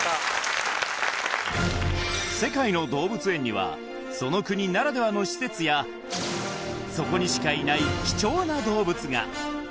世界の動物園にはその国ならではの施設やそこにしかいない貴重な動物が！